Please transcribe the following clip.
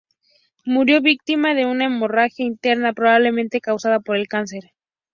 Murió víctima de una hemorragia interna, probablemente causada por el cáncer.